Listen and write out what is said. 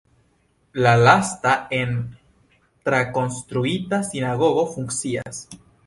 La lasta en trakonstruita sinagogo funkcias.